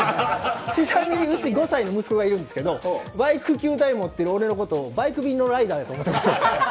ちなみにうち５歳の息子がいるんですけどバイク９台持ってる俺のことをバイク便のライダーと思ってます。